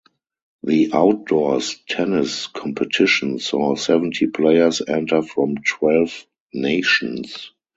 The outdoors tennis competition saw seventy players enter from twelve nations.